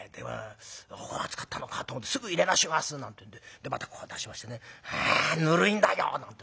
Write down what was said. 熱かったのかと思って「すぐいれ直します」なんてんでまたこう出しましてね「あぬるいんだよ！」。